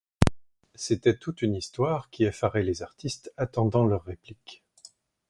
C'était toute une histoire qui effarait les artistes attendant leur réplique.